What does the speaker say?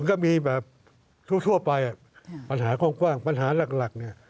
ก็มีแบบทั่วไปปัญหาข้องกว้างปัญหาหลัก